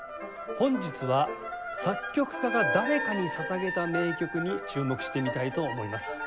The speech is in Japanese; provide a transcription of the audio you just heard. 本日は作曲家が誰かに捧げた名曲に注目してみたいと思います。